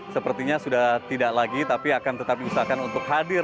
sepertinya sudah tidak lagi tapi akan tetap diusahakan untuk hadir